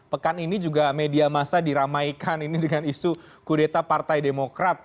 pekan ini juga media masa diramaikan ini dengan isu kudeta partai demokrat